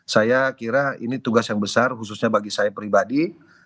saya kira ini tugas yang besar khususnya bagi saya pribadi